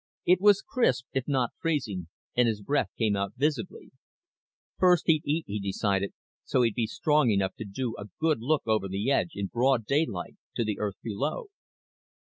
It was crisp, if not freezing, and his breath came out visibly. First he'd eat, he decided, so he'd be strong enough to go take a good look over the edge, in broad daylight, to the Earth below.